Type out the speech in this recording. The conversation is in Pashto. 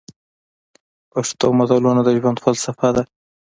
پښتو متلونه د ژوند فلسفه ده.